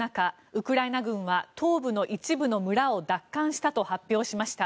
ウクライナ軍は東部の一部の村を奪還したと発表しました。